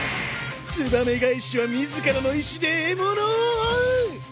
燕返しは自らの意思で獲物を追う！